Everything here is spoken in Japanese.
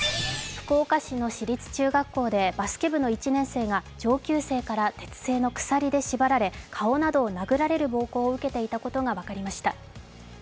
福岡市の私立中学校でバスケ部の１年生が上級生から鉄製の鎖で縛られ顔などを殴られる暴行を受けていたことが分かりました。